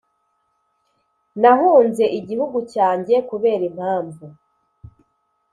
nahunze igihugu cyanjye kubera impamvu